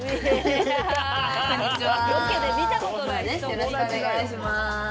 よろしくお願いします。